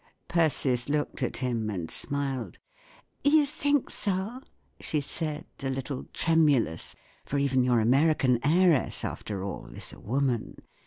Persis looked at him and smiled. "You think so?" she said, a little tremulous, for even your American heiress, after all* is a woman.